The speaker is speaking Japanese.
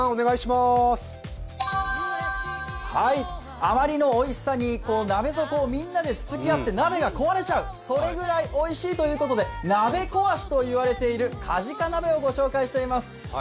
あまりのおいしさに鍋底をみんなで突つき合って鍋が壊れちゃう、それくらいおいしいということで、鍋壊しといわれているカジカ鍋をご紹介しています。